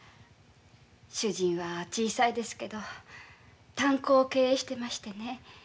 主人は小さいですけど炭鉱を経営してましてね